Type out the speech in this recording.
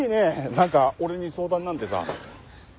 なんか俺に相談なんてさ。